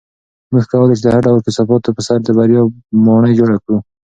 موږ کولی شو د هر ډول کثافاتو په سر د بریا ماڼۍ جوړه کړو.